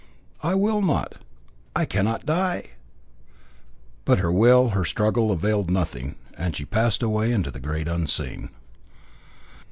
I will not, I cannot die!" But her will, her struggle, availed nothing, and she passed away into the Great Unseen.